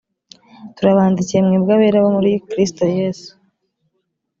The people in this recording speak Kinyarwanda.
turabandikiye mwebwe abera bo muri kristo yesu